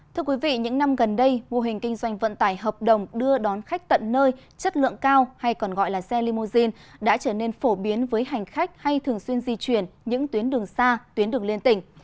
thưa quý vị những năm gần đây mô hình kinh doanh vận tải hợp đồng đưa đón khách tận nơi chất lượng cao hay còn gọi là xe limousine đã trở nên phổ biến với hành khách hay thường xuyên di chuyển những tuyến đường xa tuyến đường liên tỉnh